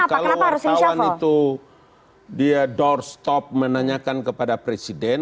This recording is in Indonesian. kalau wartawan itu dia doorstop menanyakan kepada presiden